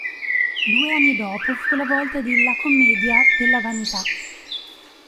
Due anni dopo fu la volta di "La commedia della vanità".